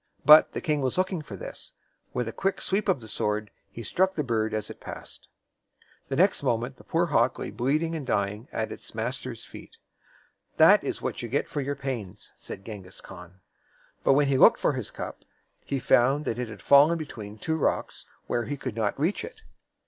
But the king was looking for this. With a quick sweep of the sword he struck the bird as it passed. The next moment the poor hawk lay bleeding and dying at its master's feet. "That is what you get for your pains," said Genghis Khan. But when he looked for his cup, he found that it had fallen between two rocks, where he could not reach it.